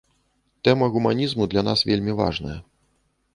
Тэма гуманізму для нас вельмі важная.